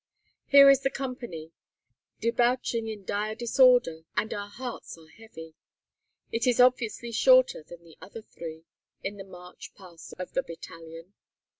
Here is the company, debouching in dire disorder, and our hearts are heavy. It is obviously shorter than the other three, in the march past of the battalion.